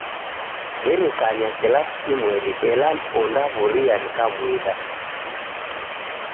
Derekanya kilasi chimweri ela ondaw'uria nikamwida.